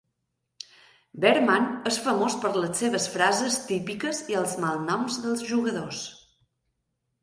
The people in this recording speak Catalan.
Berman és famós per les seves frases típiques i els malnoms dels jugadors.